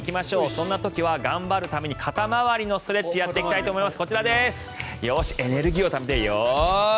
そんな時は頑張るために肩回りのストレッチをやっていきたいと思います。